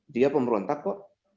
dia pemerintah kok